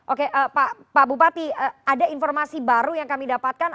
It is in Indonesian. oke pak bupati ada informasi baru yang kami dapatkan